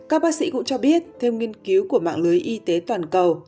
các bác sĩ cũng cho biết theo nghiên cứu của mạng lưới y tế toàn cầu